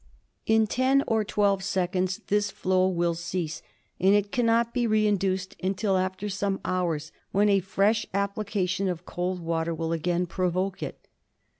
In ten or twelve seconds this flow will cease, and it cannot be reinduced until after some hours when a fresh application of cold water will again provoke it.